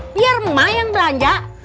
biar ma yang belanja